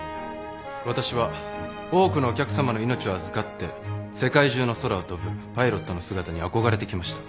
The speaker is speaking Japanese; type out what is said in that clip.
私は多くのお客様の命を預かって世界中の空を飛ぶパイロットの姿に憧れてきました。